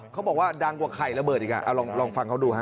เขาบอกว่าดังกว่าใครระเบิดอีกลองฟังเขาดูฮะ